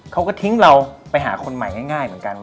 เขาก็ทิ้งเราไปหาคนใหม่ง่ายเหมือนกัน